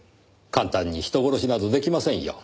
簡単に人殺しなど出来ませんよ。